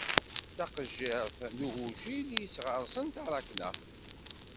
D taqejjirt n ugujil i tesɣersen taṛakna.